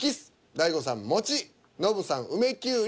大悟さん「もち」ノブさん「梅きゅうり」